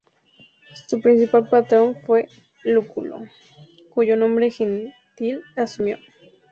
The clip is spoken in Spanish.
Su principal patrón fue Lúculo, cuyo nombre gentil asumió.